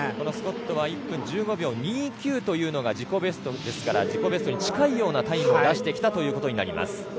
スコットは１分１５秒２９が自己ベストですから自己ベストに近いようなタイムを出してきたことになります。